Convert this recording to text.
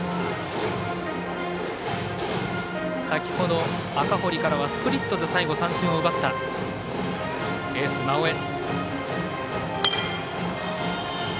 先ほど、赤堀からはスプリットで最後三振を奪ったエース、直江。